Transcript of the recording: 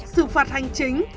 sự phạt hành chính